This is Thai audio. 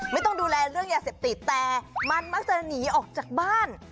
ไม่ต้องดูแลเรื่องยาเสพติดแต่มันมักจะหนีออกจากบ้าน